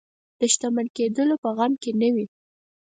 د شتمن کېدلو په غم کې نه وي.